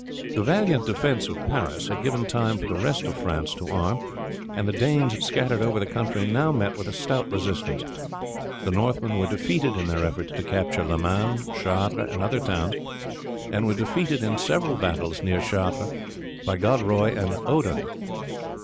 The valiant defence of Paris had given time for the rest of France to arm, and the Danes scattered over the country now met with a stout resistance. The Northmen were defeated in their efforts to capture Le Mans, Chartres, and other towns, and were defeated in several battles near Chartres by Godefroi and Odon.